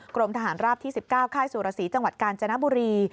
กรมทหารราบที่๑๙ค่ายสุรสีจังหวัดกาญจนบุรี